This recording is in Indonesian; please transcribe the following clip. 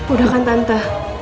udah kan tante